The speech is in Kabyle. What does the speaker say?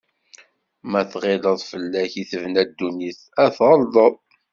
Ma tɣileḍ fell-ak i tebna dunnit, a tɣelḍeḍ.